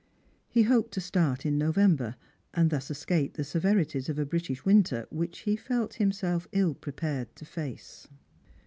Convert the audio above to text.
He hoped to start in November, and thus escape the severities of a British winter, which he felt himself ill prepared to face.